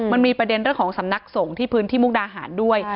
มันมีประเด็นเรื่องของสำนักสงฆ์ที่พื้นที่มุกดาหารด้วย